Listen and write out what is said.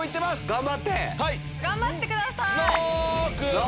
頑張ってください。